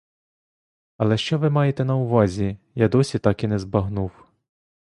Але що ви маєте на увазі, я досі так і не збагнув.